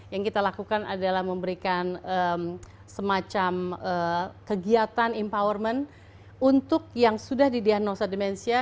yang kita lakukan adalah memberikan semacam kegiatan empowerment untuk yang sudah didiagnosa demensia